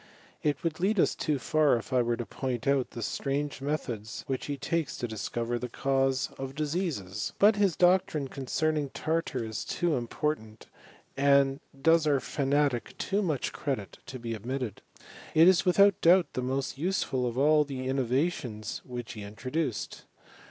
It would lead us too far if I were to point out the / strange methods which be takes to discover the cause VOL. I, M I TORY OF CBEMISTHT. of diseases. Buthis doctrine concerning tartar is toff important, and does our fanatic too much credit to b omitted. It ia without doubt the most useful of a] the innovations which he introduced.